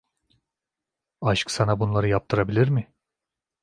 Aşk sana bunları yaptırabilir mi?